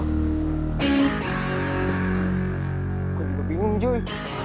gua juga bingung cuy